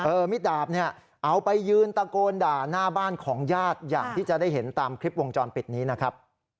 มิดดาบเนี่ยเอาไปยืนตะโกนด่าหน้าบ้านของญาติอย่างที่จะได้เห็นตามคลิปวงจรปิดนี้นะครับ